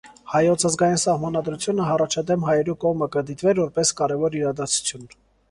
Հայոց ազգային սահմանադրութիւնը յառաջադէմ հայերու կողմէ կը դիտուէր որպէս կարեւոր իրադարձութիւն։